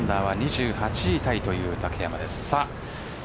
２８位タイという竹山です。